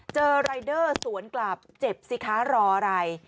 รายเดอร์สวนกลับเจ็บสิคะรออะไร